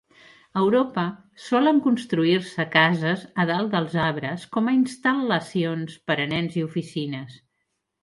A Europa, solen construir-se cases a dalt dels arbres com a instal·lacions per a nens i oficines.